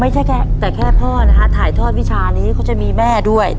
แค่แต่แค่พ่อนะฮะถ่ายทอดวิชานี้เขาจะมีแม่ด้วย